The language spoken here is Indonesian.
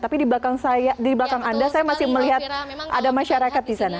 tapi di belakang anda saya masih melihat ada masyarakat di sana